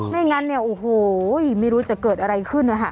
ไม่งั้นเนี่ยโอ้โหไม่รู้จะเกิดอะไรขึ้นนะฮะ